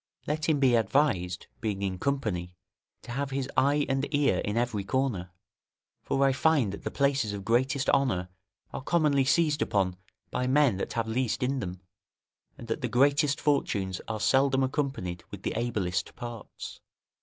Let him be advised, being in company, to have his eye and ear in every corner; for I find that the places of greatest honour are commonly seized upon by men that have least in them, and that the greatest fortunes are seldom accompanied with the ablest parts.